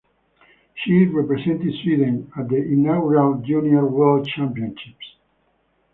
She represented Sweden at the inaugural junior World Championships.